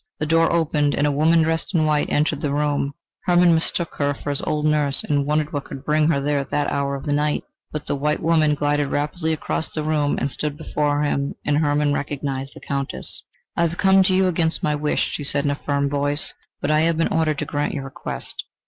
The door opened, and a woman dressed in white, entered the room. Hermann mistook her for his old nurse, and wondered what could bring her there at that hour of the night. But the white woman glided rapidly across the room and stood before him and Hermann recognised the Countess! "I have come to you against my wish," she said in a firm voice: "but I have been ordered to grant your request.